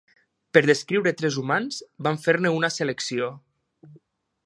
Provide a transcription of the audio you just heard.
Per a descriure trets humans, van fer-ne una selecció.